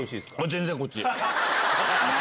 全然こっち。